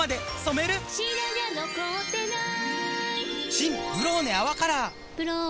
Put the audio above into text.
新「ブローネ泡カラー」「ブローネ」